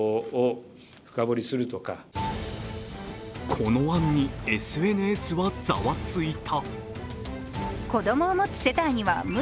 この案にＳＮＳはざわついた。